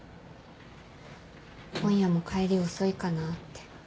今夜も帰り遅いかなって。